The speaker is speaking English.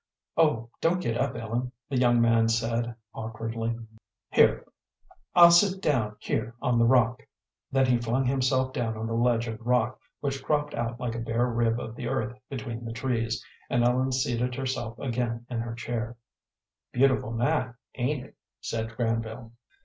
"Oh, don't get up, Ellen," the young man said, awkwardly. "Here I'll sit down here on the rock." Then he flung himself down on the ledge of rock which cropped out like a bare rib of the earth between the trees, and Ellen seated herself again in her chair. "Beautiful night, ain't it?" said Granville.